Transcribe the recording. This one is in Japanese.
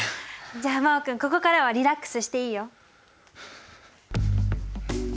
じゃあ真旺君ここからはリラックスしていいよ！